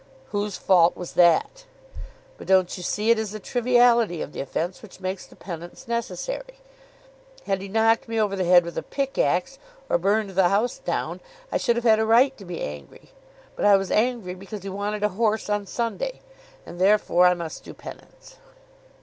"Whose fault was that? But don't you see it is the triviality of the offence which makes the penance necessary. Had he knocked me over the head with a pickaxe, or burned the house down, I should have had a right to be angry. But I was angry because he wanted a horse on Sunday; and therefore I must do penance."